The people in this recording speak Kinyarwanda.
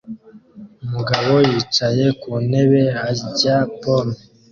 Umugabo yicaye ku ntebe arya pome